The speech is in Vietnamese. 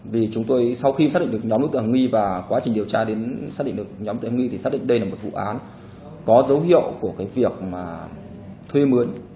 vì chúng tôi sau khi xác định được nhóm đối tượng hầm nghi và quá trình điều tra đến xác định được nhóm đối tượng hầm nghi thì xác định đây là một vụ án có dấu hiệu của việc thuê mướn